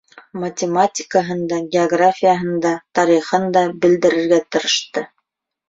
Математикаһын да, географияһын да, тарихын да белдерергә тырышты.